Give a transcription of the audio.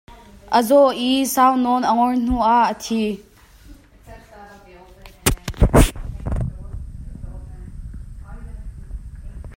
A zaw i sau nawn a ngor hnu ah a thi.